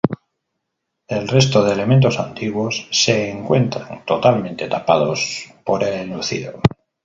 El resto de elementos antiguos se encuentran totalmente tapados por el enlucido.